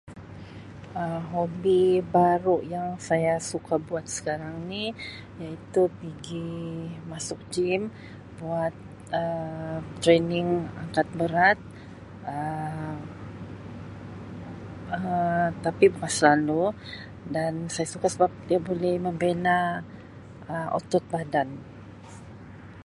"Um Hobi baru yang saya suka buat sekarang ni iaitu pigi masuk Gym buat Um ""training"" angkat berat Um tapi bukan selalu saya suka sebab dia boleh membina Um otot badan."